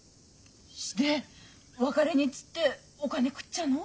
しで「別れに」っつってお金くっちやの？